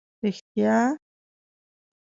رښتیا.